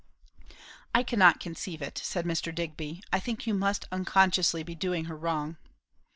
"I cannot conceive it," said Mr. Digby. "I think you must unconsciously be doing her wrong."